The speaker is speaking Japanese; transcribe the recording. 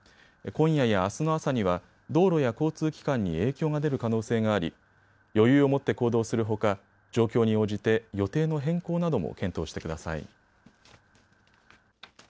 今夜やあすの朝には道路や交通機関に影響が出る可能性があり、余裕を持って行動するほか状況に応じて予定の変更なども検討してください。